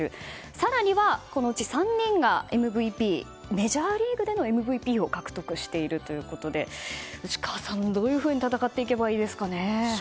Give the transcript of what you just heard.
更には、このうち３人がメジャーリーグでのＭＶＰを獲得しているということで内川さん、どういうふうに戦っていけばいいですかね。